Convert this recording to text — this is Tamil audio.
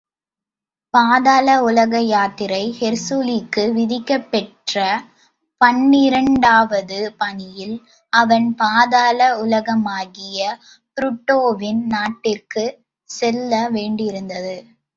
பாதாள உலக யாத்திரை ஹெர்க்குலிஸுக்கு விதிக்கப்பெற்ற பன்னிரண்ரண்டாவது பணியில், அவன் பாதாள உலகமாகிய புளுட்டோவின் நாட்டிற்குச் செல்ல வேண்டியிருந்தது.